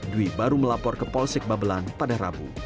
dwi baru melapor ke polsek babelan pada rabu